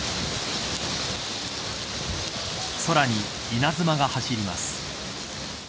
さらに、稲妻が走ります。